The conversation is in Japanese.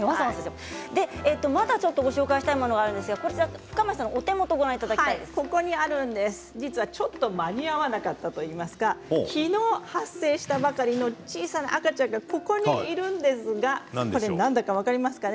まだちょっとご紹介したいものがあるんですが深町さんのお手元実はちょっと間に合わなかったといいますか昨日、発生したばかりの小さな赤ちゃんがここにいるんですが何だか分かりますか。